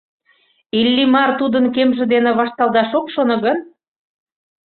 Иллимар тудын кемже дене вашталташ ок шоно гын?